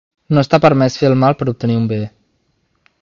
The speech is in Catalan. No està permès fer el mal per obtenir un bé.